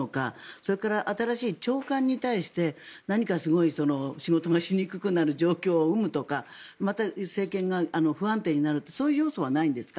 それから、新しい長官に対して何か仕事がしにくくなる状況を生むとかまた、政権が不安定になるとかそういう要素はないんですか？